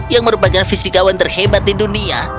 yang merupakan fisikawan terhebat di dunia